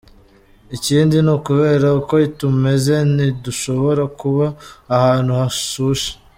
Ikindi n'ukubera uko tumeze, ntidushobora kuba ahantu hashushe.